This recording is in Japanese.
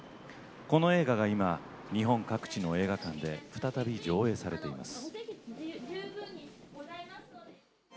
この映画が今日本各地の映画館で再び上映されています。